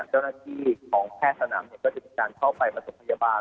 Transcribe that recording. เจ้าหน้าที่ของแพทย์สนามก็จะมีการเข้าไปประถมพยาบาล